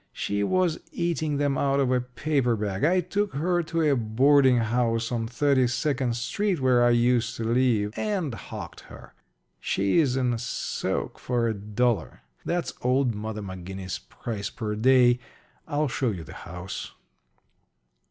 She was eating them out of a paper bag. I took her to a boarding house on Thirty second Street where I used to live, and hocked her. She's in soak for a dollar. That's old Mother McGinnis' price per day. I'll show you the house."